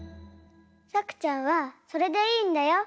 さくちゃんはそれでいいんだよ。